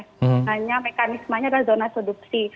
hanya mekanismenya adalah zona sudopsi